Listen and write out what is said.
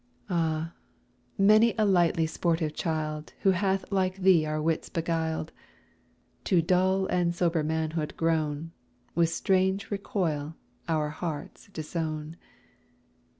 Ah! many a lightly sportive child, Who hath like thee our wits beguiled, To dull and sober manhood grown, With strange recoil our hearts disown.